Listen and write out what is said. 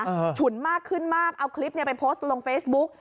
ฉุนมากขึ้นมากเอาคลิปเนี้ยไปโพสต์ลงเฟซบุ๊ก